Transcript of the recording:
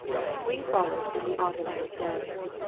We followed in the autumn midday.